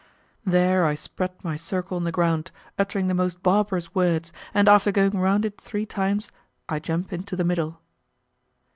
There I spread my circle on the ground, uttering the most barbarous words, and after going round it three times I jump into the middle.